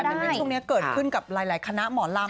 เหตุการณ์เหมือนช่วงนี้เกิดขึ้นกับหลายคณะหมอรำ